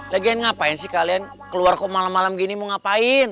lagi yang ngapain sih kalian keluar kok malem malem gini mau ngapain